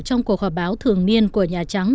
trong cuộc họp báo thường niên của nhà trắng